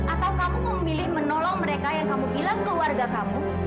atau kamu memilih menolong mereka yang kamu bilang keluarga kamu